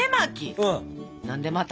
何でまた。